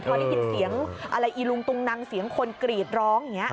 พอได้ยินเสียงอะไรอีลุงตุงนังเสียงคนกรีดร้องอย่างนี้